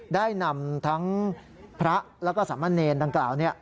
ได้นำทั้งพระแล้วก็สามะเนรดังกล่าว